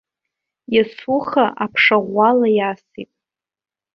Иацуха аԥша ӷәӷәала иасит.